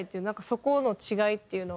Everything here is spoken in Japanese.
そこの違いっていうのは。